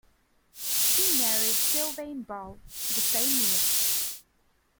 She married Sylvain Brault the same year.